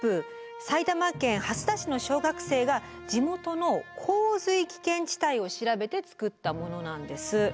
埼玉県蓮田市の小学生が地元の洪水危険地帯を調べて作ったものなんです。